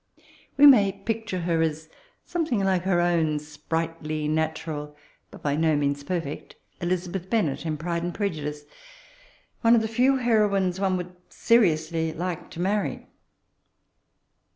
We may picture her as something like her own sprightly, natural, but by no means perfect Elizabeth Ben net, in Pride and Prejvdiee^ one of ^ the few heroines one would seriously like to marry.